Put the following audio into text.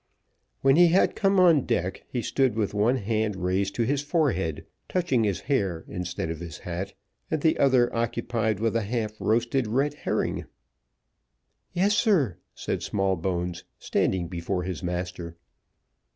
When he had come on deck, he stood with one hand raised to his forehead, touching his hair instead of his hat, and the other occupied with a half roasted red herring. "Yes, sir," said Smallbones, standing before his master.